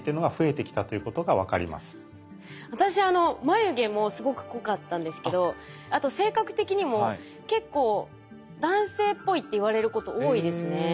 私眉毛もすごく濃かったんですけどあと性格的にも結構男性っぽいって言われること多いですね。